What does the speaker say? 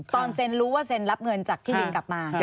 ตอนเซ็นรู้ว่าเซ็นรับเงินจากที่ดินกลับมา